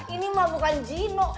ini mah bukan gino